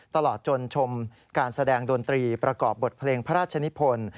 ตลอดจนชมการแสดงดนตรีประกอบบทเพลงพระราชนิพล